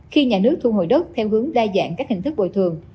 khi nhà nước thu hồi đất theo hướng đa dạng các hình thức bồi thường